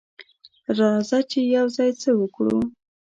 راځه چې یوځای څه وکړو.